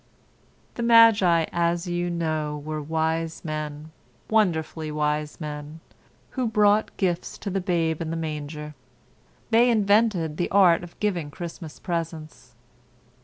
The magi, as you know, were wise men—wonderfully wise men—who brought gifts to the Babe in the manger. They invented the art of giving Christmas presents.